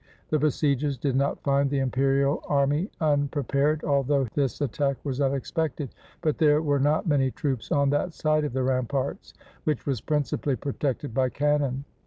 The besiegers did not find the imperial army unpre 349 AUSTRIA HUNGARY pared, although this attack was unexpected; but there were not many troops on that side of the ramparts, which was principally protected by cannon.